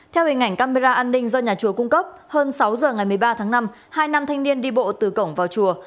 theo hình ảnh camera an ninh do nhà chùa cung cấp hơn sáu giờ ngày một mươi ba tháng năm hai nam thanh niên đi bộ từ cổng vào chùa